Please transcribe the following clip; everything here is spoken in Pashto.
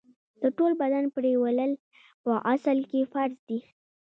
د ټول بدن پرېولل په غسل کي فرض دي.